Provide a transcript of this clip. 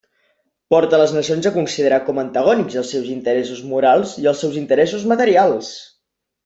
Porta les nacions a considerar com a antagònics els seus interessos morals i els seus interessos materials.